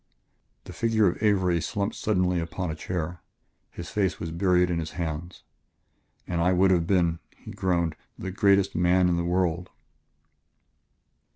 The figure of Avery slumped suddenly upon a chair; his face was buried in his hands. "And I would have been," he groaned, "the greatest man in the world."